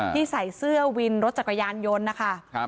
ที่ใส่เสื้อวินรถจักรยานยนต์นะคะ